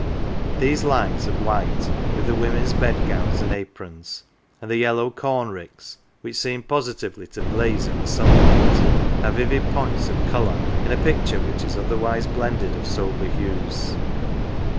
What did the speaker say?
These lines of white with the women's bedgowns and aprons, and the yellow corn ricks, which seem positively to blaze in the sunlight, are vivid points of colour in a picture which is other wise blended of sober hues.